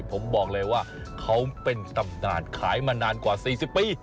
ผมบอกเลยว่าเขาเป็นตำนานขายมานานกว่า๔๐ปี